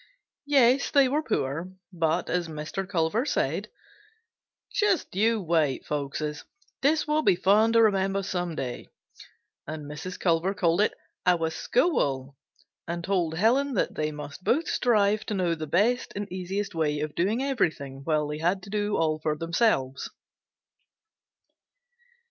Yes, they were poor, but as Mr. Culver said, "Just you wait, folkses; this will be fun to remember some day." And Mrs. Culver called it "our school" and told Helen that they must both strive to know the best and easiest way of doing everything while they had to do all for themselves.